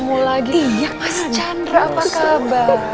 mas chandra apa kabar